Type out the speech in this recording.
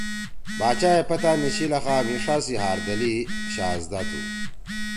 باچا ئے پتہ نی چھی لخا مھی ݜا سی ہاردلی شہزَدا تُھو۔